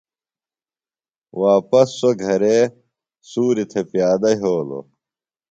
واپس سوۡ گھرے سُوریۡ تھےۡ پیادہ یھولوۡ۔